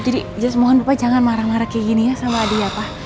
jadi just mohon lupa jangan marah marah kayak gini ya sama adi ya pak